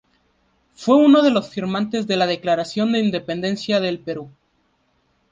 Fue uno de los firmantes de la Declaración de Independencia del Perú.